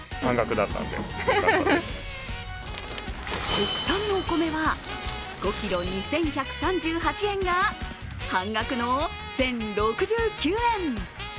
国産のお米は５ｋｇ２１３８円が半額の１０６９円。